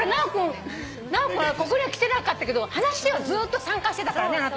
ここには来てなかったけど話ではずっと参加してたからね。